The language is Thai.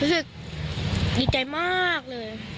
รู้สึกดีใจมากเลย